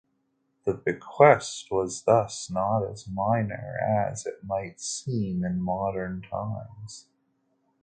The bequest was thus not as minor as it might seem in modern times.